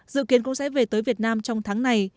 dự kiến cũng sẽ về tới việt nam trong tháng này